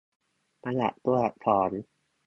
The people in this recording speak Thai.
ประหยัดตัวอักษร